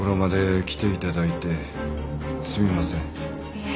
いえ。